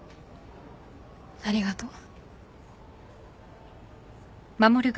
ありがとう。